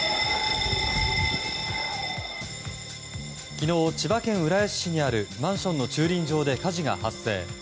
昨日、千葉県浦安市にあるマンションの駐輪場で火事が発生。